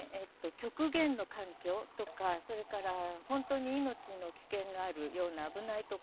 極限の環境とかそれから本当に命の危険があるような危ない所